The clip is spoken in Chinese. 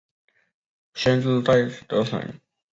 县治戴德城。